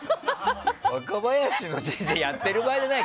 若林の人生やってる場合じゃないよ